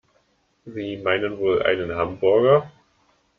Sie meinen wohl einen Hamburger?